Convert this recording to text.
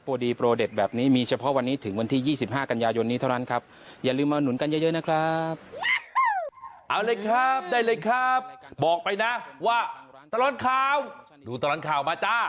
บอกไปนะว่าตลอดข่าวดูตลอดข่าวมาจ้า